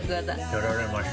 やられました。